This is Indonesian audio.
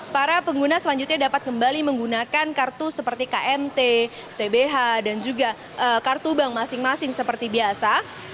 para pengguna selanjutnya dapat kembali menggunakan kartu seperti kmt tbh dan juga kartu bank masing masing seperti biasa